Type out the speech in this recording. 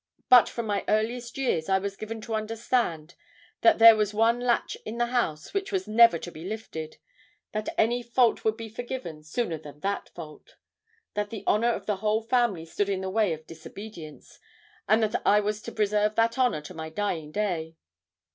But from my earliest years I was given to understand that there was one latch in the house which was never to be lifted; that any fault would be forgiven sooner than that; that the honour of the whole family stood in the way of disobedience, and that I was to preserve that honour to my dying day.